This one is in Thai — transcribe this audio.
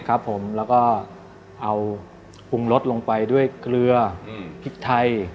ครับผมแล้วก็เอาปรุงรสลงไปด้วยเกลือพริกไทย